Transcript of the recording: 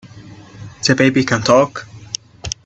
The baby can TALK!